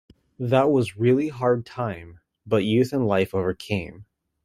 That was really hard time, but youth and life overcame.